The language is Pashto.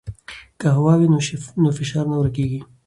که هوا وي نو فشار نه ورکېږي.